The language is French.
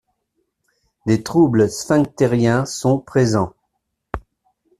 Des troubles sphinctériens sont présents.